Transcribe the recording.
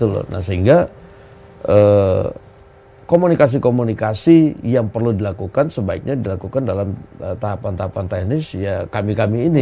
nah sehingga komunikasi komunikasi yang perlu dilakukan sebaiknya dilakukan dalam tahapan tahapan teknis ya kami kami ini